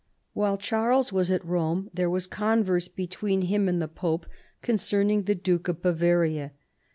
While Ciiarles was at Rome there was converse between him and the pope concerning the Duke of Bavaria.